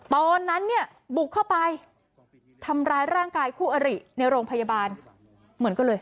ตอนนั้นเนี่ยบุกเข้าไปทำร้ายร่างกายคู่อริในโรงพยาบาลเหมือนกันเลย